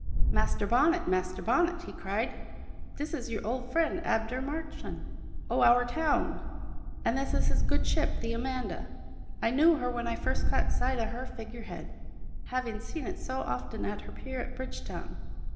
"Master Bonnet! Master Bonnet!" he cried; "this is your old friend, Abner Marchand, o' our town; an' this is his good ship the Amanda. I knew her when I first caught sight o' her figure head, havin' seen it so often at her pier at Bridgetown.